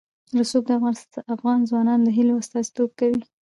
رسوب د افغان ځوانانو د هیلو استازیتوب کوي.